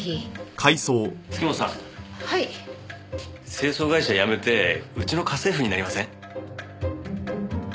清掃会社辞めてうちの家政婦になりません？